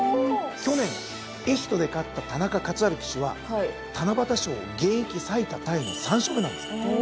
去年エヒトで勝った田中勝春騎手は七夕賞を現役最多タイの３勝目なんです。